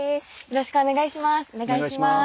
よろしくお願いします。